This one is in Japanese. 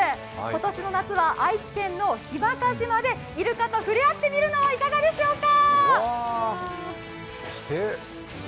今年の夏は愛知県の日間賀島でイルカと触れ合ってみるのはいかがでしょうか？